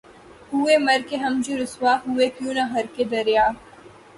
ہوئے مر کے ہم جو رسوا ہوئے کیوں نہ غرق دریا